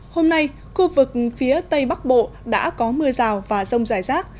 hôm nay khu vực phía tây bắc bộ đã có mưa rào và rông rải rác